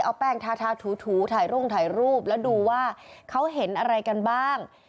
เอาแป้งทาทาถูถ่ายรุ่งถ่ายรูปแล้วดูว่าเขาเห็นอะไรกันบ้าง